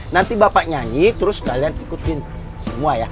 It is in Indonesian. nanti bapak nyanyi terus kalian ikutin semua ya